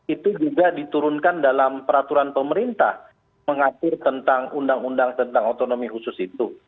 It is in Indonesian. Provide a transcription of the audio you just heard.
itu juga diturunkan dalam peraturan pemerintah mengatur tentang undang undang tentang otonomi khusus itu